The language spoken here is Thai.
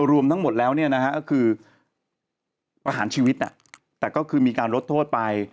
รวมทั้งหมดแล้วเนี่ยนะฮะก็คือประหารชีวิตแต่ก็คือมีการลดโทษไป